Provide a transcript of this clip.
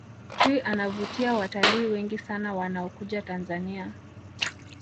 chui anavutia watalii wengi sana wanaokuja tanzania